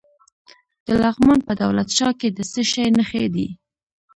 د لغمان په دولت شاه کې د څه شي نښې دي؟